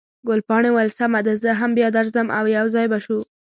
ګلپاڼې وویل، سمه ده، زه هم بیا درځم، او یو ځای به شو.